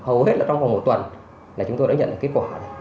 hầu hết là trong vòng một tuần là chúng tôi đã nhận được kết quả này